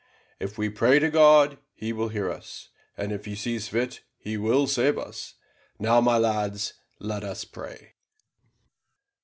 If we pray to God, He will hear us, and if He sees fit, He will save us. Now, my lads, let us pray."